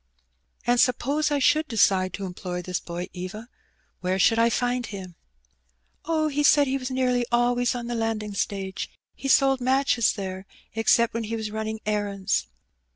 "And suppose I should decide to employ this boy, Eva, where should I find him?" " Oh, he said he was nearly always on the landing stage. He sold matches there, except when he was running errands."